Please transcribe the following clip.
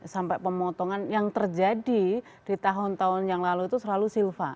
sampai pemotongan yang terjadi di tahun tahun yang lalu itu selalu silva